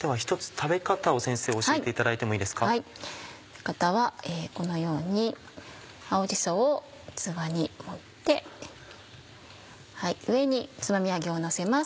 食べ方はこのように青じそを器に盛って上につまみ揚げをのせます。